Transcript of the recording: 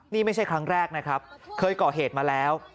นี่ไม่ใช่ครั้งแรกนะครับเคยก่อเหตุมาแล้ว